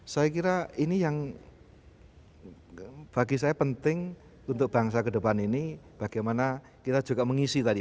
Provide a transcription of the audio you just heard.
saya kira ini yang bagi saya penting untuk bangsa ke depan ini bagaimana kita juga mengisi tadi